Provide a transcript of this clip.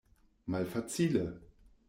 Malfacile!